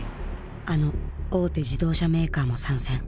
あの大手自動車メーカーも参戦。